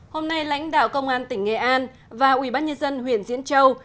hôm nay lãnh đạo công an tỉnh nghệ an và ubnd huyện diễn châu